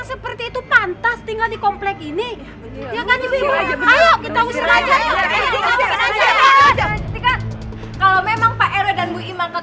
supaya hidup kita bisa berubah